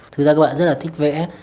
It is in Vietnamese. thực ra các bạn rất là thích vẽ